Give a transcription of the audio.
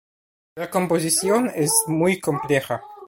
La composición es muy compleja.